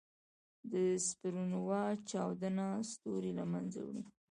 د سپرنووا چاودنه ستوری له منځه وړي.